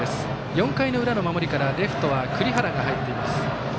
４回の裏の守りからレフトは栗原が入っています。